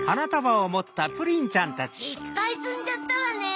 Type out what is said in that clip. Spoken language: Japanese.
いっぱいつんじゃったわね。